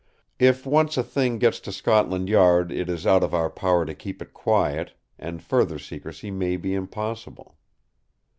If once a thing gets to Scotland Yard it is out of our power to keep it quiet, and further secrecy may be impossible.